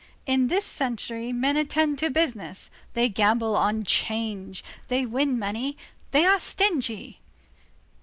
In this century, men attend to business, they gamble on 'Change, they win money, they are stingy.